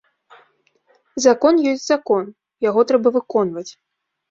Закон ёсць закон, яго трэба выконваць.